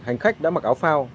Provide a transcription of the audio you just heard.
hành khách đã mặc áo phao